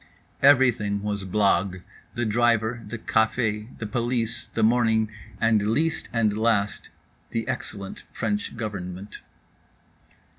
Everything was blague. The driver, the café, the police, the morning, and least and last the excellent French Government.